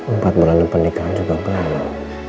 empat bulan pernikahan juga banyak